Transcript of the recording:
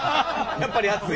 やっぱり熱い。